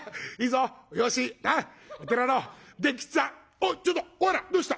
おっちょっとお花どうした？